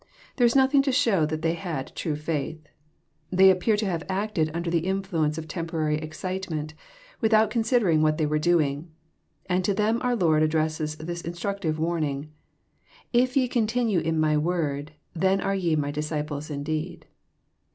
There is nothing to show that they had true faith. They appear to have acted under the influence of temporary excitement, without considering what they were doing. And to them our Lord addresses this instructive warning, —*^ If ye continue in My word, then are ye My disciples indeed."